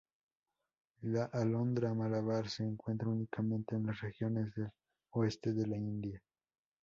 La alondra malabar se encuentra únicamente en las regiones del oeste de la India.